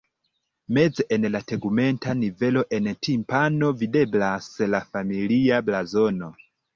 Meze en la tegmenta nivelo en timpano videblas la familia blazono.